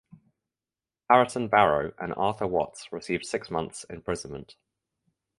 Harrison Barrow and Arthur Watts received six months imprisonment.